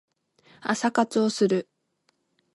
朝活をする